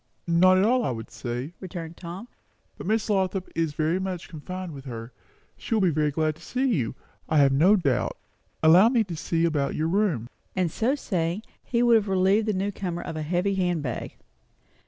"Not at all, I should say," returned Tom; "but Miss Lothrop is very much confined with her. She will be very glad to see you, I have no doubt. Allow me to see about your room." And so saying, he would have relieved the new comer of a heavy handbag.